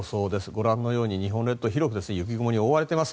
ご覧のように日本列島は広く雪雲に覆われています。